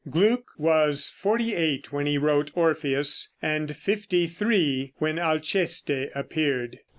Gluck was forty eight when he wrote "Orpheus," and fifty three when "Alceste" appeared.